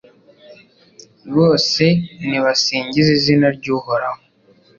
Bose nibasingize izina ry’Uhoraho